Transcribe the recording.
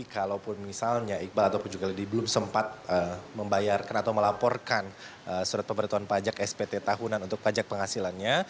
kalaupun misalnya iqbal ataupun juga lady belum sempat membayarkan atau melaporkan surat pemberitahuan pajak spt tahunan untuk pajak penghasilannya